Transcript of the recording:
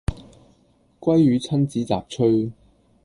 鮭魚親子雜炊